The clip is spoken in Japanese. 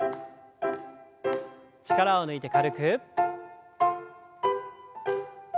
力を抜いて軽く。